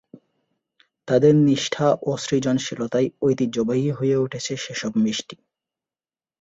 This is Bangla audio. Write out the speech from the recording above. তাদের নিষ্ঠা ও সৃজনশীলতায় ঐতিহ্যবাহী হয়ে উঠেছে সেসব মিষ্টি।